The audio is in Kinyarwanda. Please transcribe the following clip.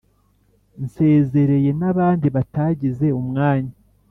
Nsezereye n’abandi Batagize umwanya ;